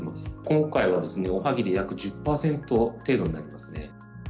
今回はおはぎで約１０％程度になりますね。